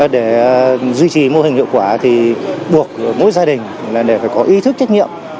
để duy trì mô hình hiệu quả thì buộc mỗi gia đình để có ý thức kết nghiệm